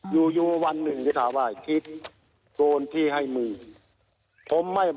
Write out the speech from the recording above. อยู่วันหนึ่งถามว่าคริสโตนที่ให้มือ